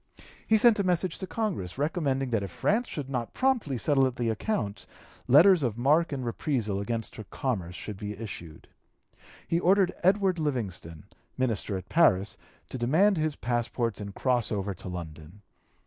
He sent a message to Congress, recommending that if France should not promptly settle the account, letters of marque and reprisal against her commerce should be issued. He ordered Edward Livingston, minister at Paris, to demand his passports and cross over to London.